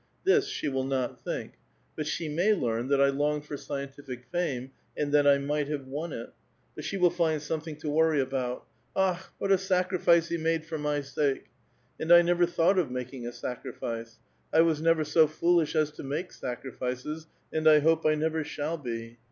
This she will not think ; but she may learn that I longed for scientific fame, and that 1 might have won it. But she will find some thing to worry about: ^ Akh! what a sacrifice he made for my sake !' And 1 never thought of making a sacriHce ; I was never so foolish as to make sacrifices, and I hope I never shall be.